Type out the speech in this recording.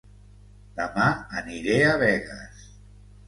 Dema aniré a Begues